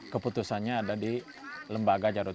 keputusannya ada di lembaga jarut